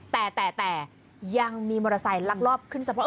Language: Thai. แต่แต่ยังมีมอเตอร์ไซค์ลักลอบขึ้นสะพอ